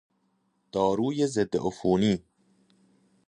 داروی ضد عفونی